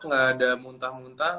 gak ada muntah muntah